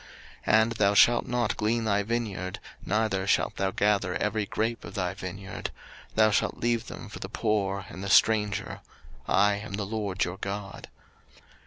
03:019:010 And thou shalt not glean thy vineyard, neither shalt thou gather every grape of thy vineyard; thou shalt leave them for the poor and stranger: I am the LORD your God.